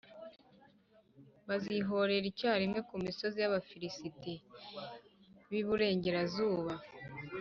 Bazirohera icyarimwe ku misozi y’Abafilisiti b’iburengerazuba,